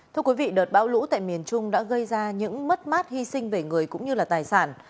thưa quý vị đợt bão lũ tại miền trung đã gây ra những mất mát hy sinh về người cũng như là tài sản